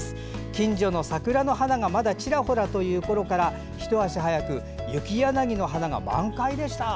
近所の桜の花がまだ、ちらほらというころからひと足早くユキヤナギの花が満開でした。